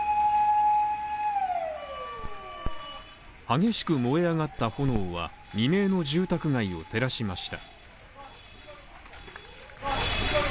激しく燃え上がった炎は未明の住宅街を照らしました。